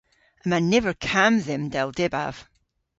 Yma niver kamm dhymm dell dybav.